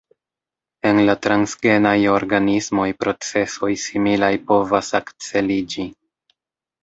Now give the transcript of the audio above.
En la transgenaj organismoj procesoj similaj povas akceliĝi.